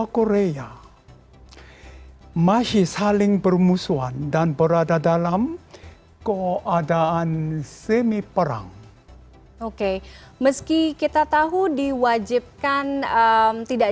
korea selatan menjadi satu satunya wilayah di seluruh dunia yang masih terlibat dalam perang dingin